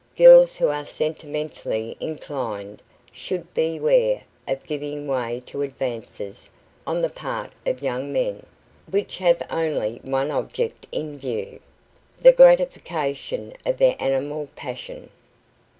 Girls who are sentimentally inclined should beware of giving way to advances on the part of young men which have only one object in view: the gratification of their animal passion.